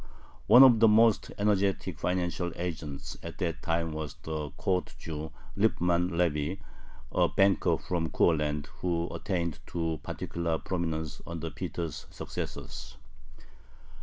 One of the most energetic financial agents at that time was the "court Jew" Lipman Levy, a banker from Courland, who attained to particular prominence under Peter's successors.